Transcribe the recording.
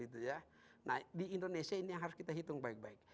nah di indonesia ini yang harus kita hitung baik baik